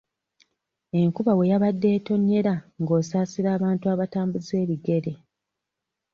Enkuba we yabadde etonnyera ng'osaasira abantu abatambuza ebigere.